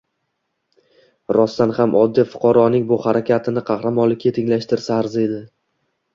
Rostan ham oddiy fuqaroning bu harakatini qahramonlikka tenglashtirsa arziydi.